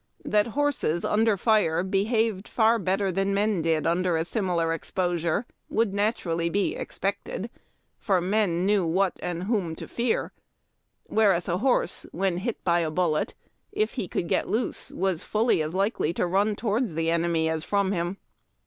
That horses under fire behaved far better than men did under a similar exposure would naturally be expected, for men knew what and whom to fear, whereas a horse, when hit by a bullet, if he. could get loose, was fully as likely to run towards the enemy as from him.